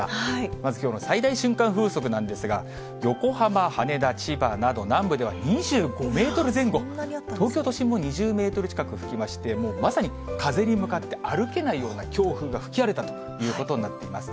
まずきょうの最大瞬間風速なんですが、横浜、羽田、千葉など、南部では２５メートル前後、東京都心も２０メートル近く吹きまして、まさに風に向かって歩けないような強風が吹き荒れたということになっています。